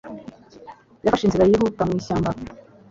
Yafashe inzira yihuta mu ishyamba.